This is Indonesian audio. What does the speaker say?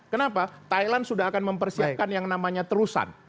kenapa thailand sudah akan mempersiapkan yang namanya terusan